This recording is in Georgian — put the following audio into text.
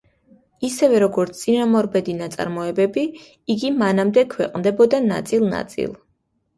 ისევე, როგორც წინამორბედი ნაწარმოებები, იგი მანამდე ქვეყნდებოდა ნაწილ-ნაწილ.